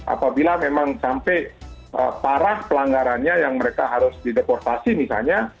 apabila memang sampai parah pelanggarannya yang mereka harus dideportasi misalnya